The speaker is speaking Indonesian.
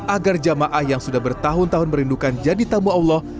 agar jamaah yang sudah bertahun tahun merindukan jadi tamu allah